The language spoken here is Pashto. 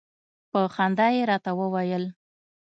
په خندا يې راته وویل.